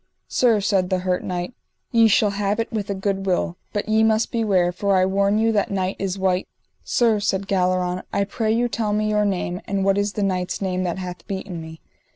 Sir, said the hurt knight, ye shall have it with a good will; but ye must beware, for I warn you that knight is wight. Sir, said Galleron, I pray you tell me your name, and what is that knight's name that hath beaten me.